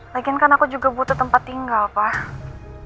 lagi kan aku juga butuh tempat tinggal pak